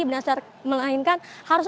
benar benar melainkan harus